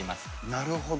なるほど。